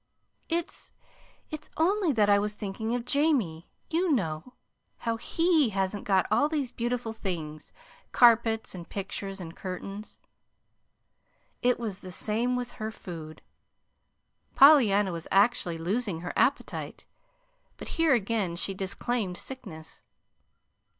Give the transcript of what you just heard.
It it's only that I was thinking of Jamie, you know, how HE hasn't got all these beautiful things carpets, and pictures, and curtains." It was the same with her food. Pollyanna was actually losing her appetite; but here again she disclaimed sickness.